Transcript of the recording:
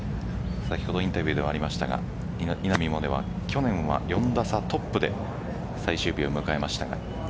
先ほどインタビューでもありましたが稲見萌寧は去年は４打差トップで最終日を迎えました。